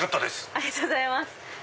ありがとうございます。